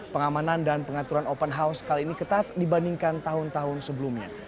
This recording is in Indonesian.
pengamanan dan pengaturan open house kali ini ketat dibandingkan tahun tahun sebelumnya